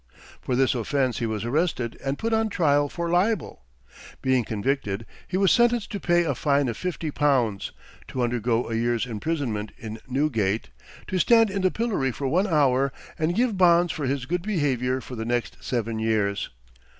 For this offense he was arrested and put on trial for libel. Being convicted, he was sentenced to pay a fine of fifty pounds, to undergo a year's imprisonment in Newgate, to stand in the pillory for one hour, and give bonds for his good behavior for the next seven years.